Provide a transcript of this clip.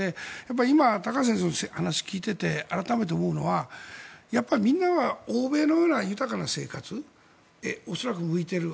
今、高橋先生の話を聞いていて改めて思うのはみんなは欧米のような豊かな生活に恐らく、向いている。